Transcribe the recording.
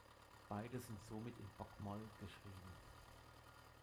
Beide sind somit in Bokmål geschrieben.